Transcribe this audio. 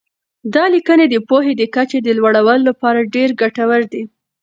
دا لیکنې د پوهې د کچې د لوړولو لپاره ډېر ګټورې دي.